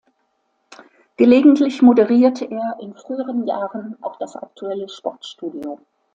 Gelegentlich moderierte er in früheren Jahren auch "das aktuelle Sportstudio".